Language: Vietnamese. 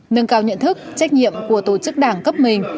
nâng cao nhận thức trách nhiệm của tổ chức đảng cấp mình